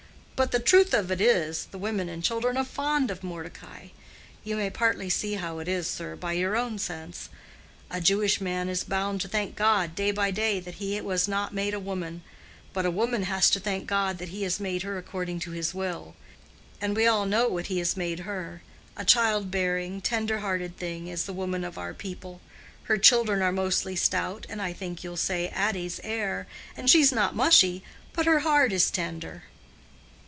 But the truth of it is, the women and children are fond of Mordecai. You may partly see how it is, sir, by your own sense. A Jewish man is bound to thank God, day by day, that he was not made a woman; but a woman has to thank God that He has made her according to His will. And we all know what He has made her—a child bearing, tender hearted thing is the woman of our people. Her children are mostly stout, as I think you'll say Addy's are, and she's not mushy, but her heart is tender.